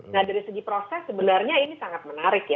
nah dari segi proses sebenarnya ini sangat menarik ya